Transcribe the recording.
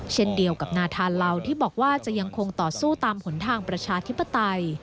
เช่นเดียวกับนาธานเหล่าที่บอกว่าจะยังคงต่อสู้ตามหนทางประชาธิปไตย